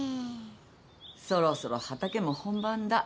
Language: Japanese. そろそろ畑も本番だ。